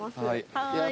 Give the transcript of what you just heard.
はい！